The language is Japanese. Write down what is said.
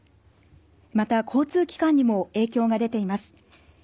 また交通機関にも影響が出ています。